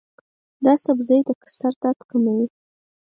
دا سبزی د سر درد کموي.